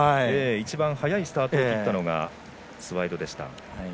一番速いスタートを切ったのがスワエドでした。